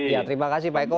ya terima kasih pak eko